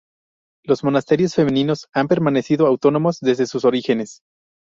Los monasterios femeninos han permanecido autónomos desde sus orígenes.